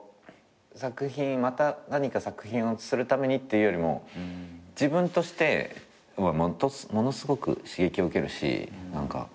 また何か作品をするためにっていうよりも自分としてものすごく刺激を受けるし何か